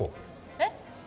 えっ？